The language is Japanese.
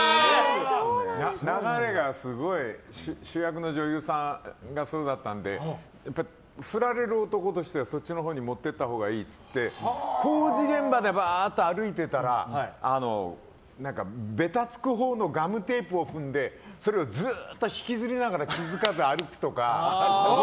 流れがすごい主役の女優さんがそうだったんでやっぱり振られる男としてはそっちのほうに持っていったほうがいいって言って工事現場でバーッと歩いてたらべたつくほうのガムテープを踏んでそれをずっと引きずりながら気づかず歩くとか。